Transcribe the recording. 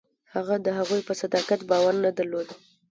هغه د هغوی په صداقت باور نه درلود.